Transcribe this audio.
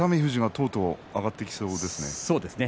熱海富士がとうとう上がってきそうですね。